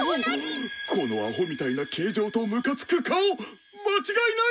このアホみたいな形状とムカつく顔間違いない！